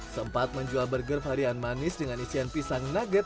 sempat menjual burger varian manis dengan isian pisang nugget